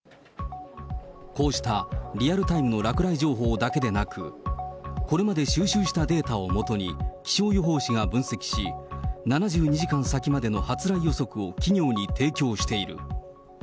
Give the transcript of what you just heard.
こうしたリアルタイムの落雷情報だけでなく、これまで収集したデータを基に、気象予報士が分析し、７２時間先までの発雷予測を企業に提供している。